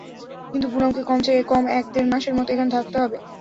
কিন্তু পুনামকে কমছে কম এক দের মাসের মতো, এখানে থাকতে হবে।